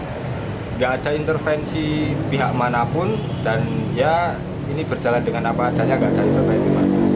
jadi tidak ada intervensi pihak manapun dan ya ini berjalan dengan apa adanya tidak ada intervensi